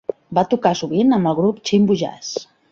Va tocar sovint amb el grup Chimvu Jazz.